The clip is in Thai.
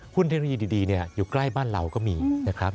เทคโนโลยีดีอยู่ใกล้บ้านเราก็มีนะครับ